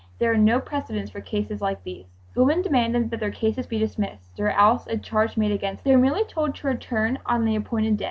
There are no precedents for cases like these ...." The women demanded that their cases be dismissed, or else a charge made against them. They were merely told to return on the appointed day.